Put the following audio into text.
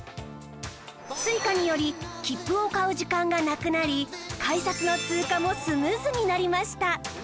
Ｓｕｉｃａ により切符を買う時間がなくなり改札の通過もスムーズになりました